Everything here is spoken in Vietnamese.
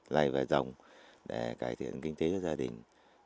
lầy vài dòng để cải thiện kinh tế gia đình